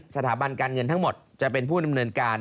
สถาบันการเงินทั้งหมดจะเป็นผู้ดำเนินการ